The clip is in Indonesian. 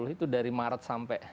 dua ribu dua puluh itu dari maret sampai